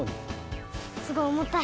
すごいおもたい。